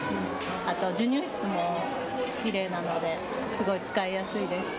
あと授乳室もきれいなのですごい使いやすいです。